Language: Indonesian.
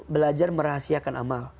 belajar merahasiakan amal